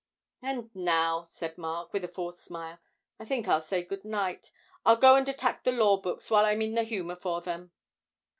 'And now,' said Mark, with a forced smile, 'I think I'll say good night. I'll go and attack the law books while I'm in the humour for them.'